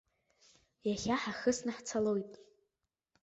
Иахьа ҳахысны ҳцалоит.